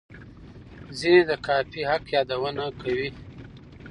ځینې د کاپي حق یادونه کوي.